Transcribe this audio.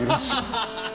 ハハハハ。